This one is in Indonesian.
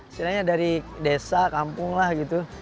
istilahnya dari desa kampung lah gitu